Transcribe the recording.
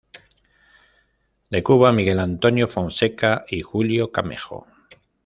De Cuba Miguel Antonio Fonseca y Julio Camejo.